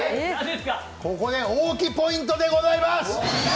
ここで大木ポイントでございます！